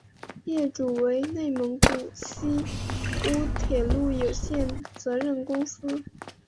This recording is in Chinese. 业主为内蒙古锡乌铁路有限责任公司。